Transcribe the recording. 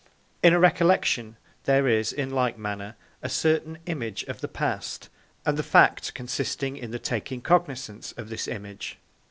In a recollection there is, in like manner, a certain image of the past and the fact consisting in the taking cognisance of this image.